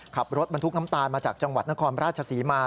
ขับรถบรรทุกน้ำตาลมาจากจังหวัดนครราชศรีมา